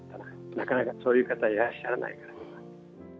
なかなかそういう方、いらっしゃらないから。